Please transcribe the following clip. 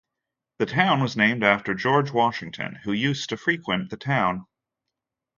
The town was named after George Washington, who used to frequent the town.